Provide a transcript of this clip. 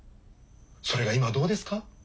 それが今どうですか？